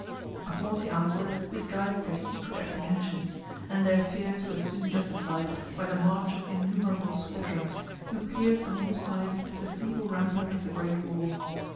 A haughty answer disguised their secret apprehensions; and their fears were soon justified by the march of innumerable squadrons, who pierced on all sides the feeble rampart of the great wall.